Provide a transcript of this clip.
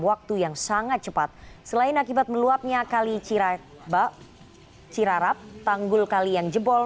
waktu yang sangat cepat selain akibat meluapnya kali cira cirarap tanggul kali yang jebol